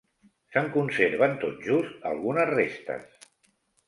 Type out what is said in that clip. Se'n conserven tot just algunes restes.